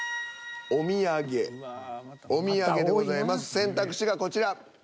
選択肢がこちら。